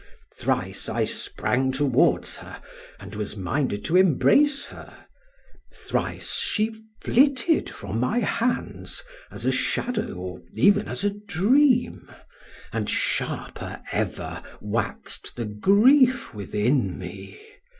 Thrice I sprang towards her, and was minded to embrace her; thrice she flitted from my hands as a shadow or even as a dream, and sharper ever waxed the grief within me.